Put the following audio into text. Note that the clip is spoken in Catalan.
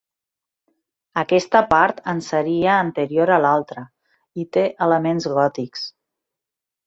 Aquesta part en seria anterior a l'altra, i té elements gòtics.